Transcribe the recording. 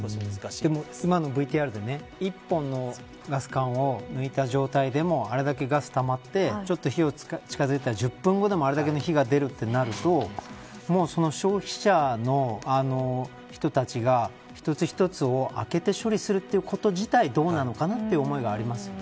でも今のＶＴＲで、１本のガス缶を抜いた状態でもあれだけガスがたまってちょっと火を近づけたら１０分後でもあれだけの火が出るとなるともう消費者の人たちが一つ一つを開けて処理するということ自体がどうなのかなという思いがありますよね。